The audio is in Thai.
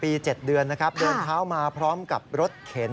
๗เดือนนะครับเดินเท้ามาพร้อมกับรถเข็น